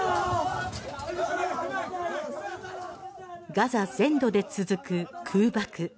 ガザ全土で続く空爆。